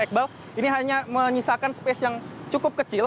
iqbal ini hanya menyisakan space yang cukup kecil